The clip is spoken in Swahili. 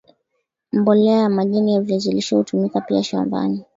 mbolea ya majani ya viazi lishe hutumika pia shambani